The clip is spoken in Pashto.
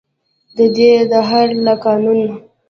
ددې دهر له قانونه.